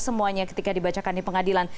semuanya ketika dibacakan di pengadilan